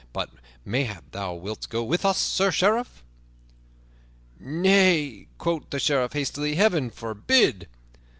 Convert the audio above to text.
But mayhap thou wilt go with us, Sir Sheriff." "Nay," quoth the Sheriff hastily, "Heaven forbid!"